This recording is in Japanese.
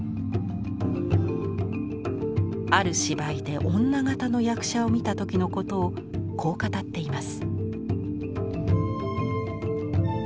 ある芝居で女形の役者を見た時のことをこう語っています。